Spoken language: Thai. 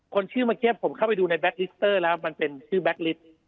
คนชื่อเมื่อกี้ผมเข้าไปดูในแก๊อิสเตอร์แล้วมันเป็นชื่อแก๊กลิฟต์